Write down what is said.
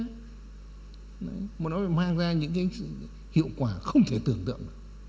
mà nó phải mang ra những cái hiệu quả không thể tưởng tượng được